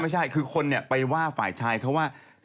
ไม่ใช่คือคนไปว่าฝ่ายชายเขาว่า